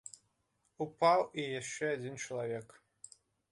Упаў і яшчэ адзін чалавек.